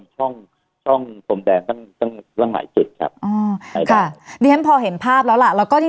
ที่เกิดขึ้นเมื่อวานแต่ว่าเห็นภาพชัดขึ้นหลังจากที่บคบอกว่า